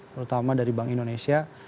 terutama dari bank indonesia